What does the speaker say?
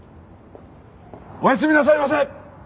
おやすみなさいませ！